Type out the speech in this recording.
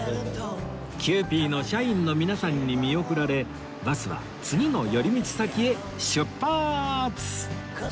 キユーピーの社員の皆さんに見送られバスは次の寄り道先へ出発！